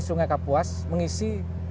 sungai kapuas mengisi